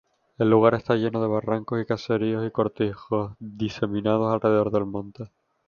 El lugar está lleno de barrancos y caseríos y cortijos diseminados alrededor del monte.